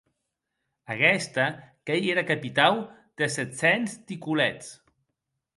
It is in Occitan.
Aguesta qu’ei era capitau des sèt cents ticolets.